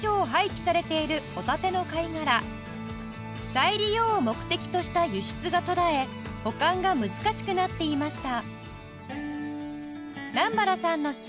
再利用を目的とした輸出が途絶え保管が難しくなっていました